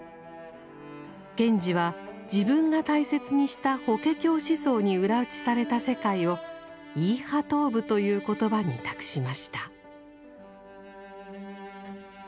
賢治は自分が大切にした法華経思想に裏打ちされた世界を「イーハトーブ」という言葉に託しました。